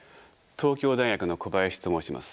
東京大学の小林と申します。